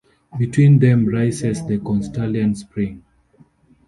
Between them rises the Castalian Spring.